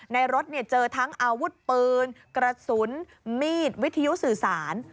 ในรถเจอทั้งอาวุธปืนกระสุนมีดวิทยุสื่อสาร